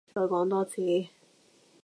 再講多次？